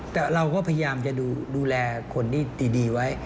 แต่เราก็พยายามจะดูแลคนที่ดีไว้